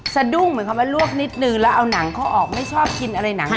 สะดุ้งเหมือนคำว่าลวกนิดนึงแล้วเอาหนังเขาออกไม่ชอบกินอะไรหนัง